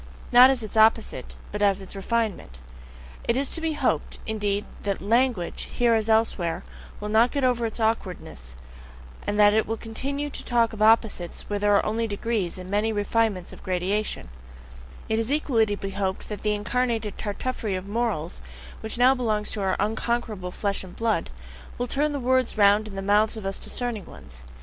Not as its opposite, but as its refinement! It is to be hoped, indeed, that LANGUAGE, here as elsewhere, will not get over its awkwardness, and that it will continue to talk of opposites where there are only degrees and many refinements of gradation; it is equally to be hoped that the incarnated Tartuffery of morals, which now belongs to our unconquerable "flesh and blood," will turn the words round in the mouths of us discerning ones.